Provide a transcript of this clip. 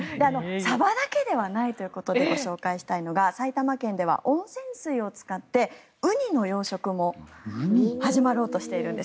サバだけではないということでご紹介したいのは埼玉県では温泉水を使ってウニの養殖も始まろうとしているんです。